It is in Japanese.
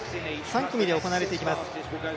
３組で行われていきます。